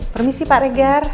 permisi pak regar